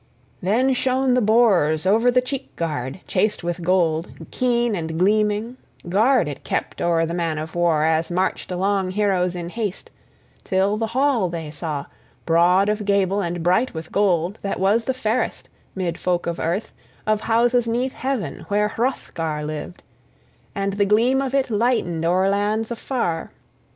Then shone the boars {4b} over the cheek guard; chased with gold, keen and gleaming, guard it kept o'er the man of war, as marched along heroes in haste, till the hall they saw, broad of gable and bright with gold: that was the fairest, 'mid folk of earth, of houses 'neath heaven, where Hrothgar lived, and the gleam of it lightened o'er lands afar.